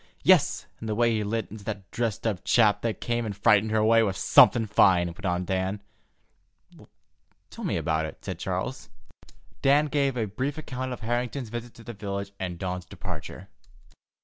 "Yes, and the way he lit into that dressed up chap that came and frightened her away was something fine," went on Dan. "Tell me about it," said Charles. Dan gave a brief account of Harrington's visit to the village and Dawn's departure.